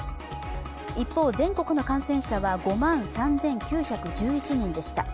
一方、全国の感染者は５万３９１１人でした。